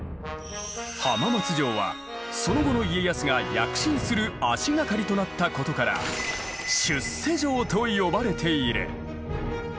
浜松城はその後の家康が躍進する足掛かりとなったことから「出世城」と呼ばれている。